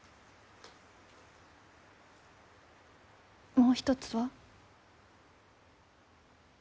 もう一つは？